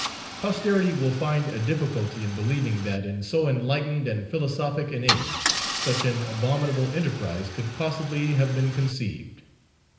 "Posterity will find a difficulty in believing that, in so enlightened and philosophic an age, such an abominable enterprise could possibly have been conceived.